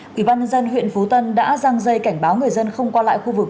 quỹ ban dân huyện phú tân đã rang dây cảnh báo người dân không qua lại khu vực